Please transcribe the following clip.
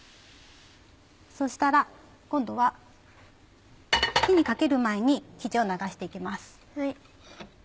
そしたら今度は火にかける前に生地を流していきます。